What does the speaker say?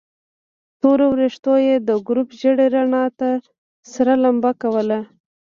تورو ويښتو يې د ګروپ ژېړې رڼا ته سره لمبه کوله.